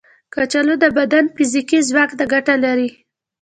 کچالو د بدن فزیکي ځواک ته ګټه لري.